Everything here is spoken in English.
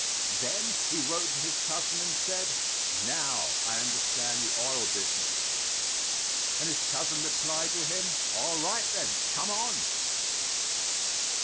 Then he wrote to his cousin and said, "Now I understand the oil business." And his cousin replied to him, "All right, then, come on."